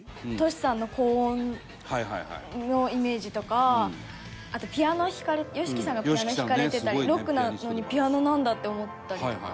Ｔｏｓｈｌさんの高音のイメージとかあとピアノＹＯＳＨＩＫＩさんがピアノ弾かれてたりロックなのにピアノなんだって思ったりとか。